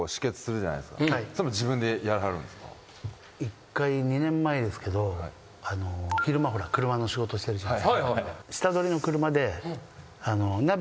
１回２年前ですけど昼間車の仕事してるじゃないですか。